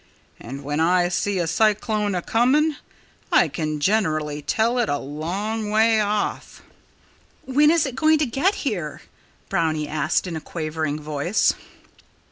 And when I see a cyclone a coming I can generally tell it a long way off." "When is it going to get here?" Brownie asked in a quavering voice.